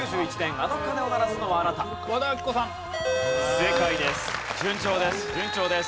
正解です。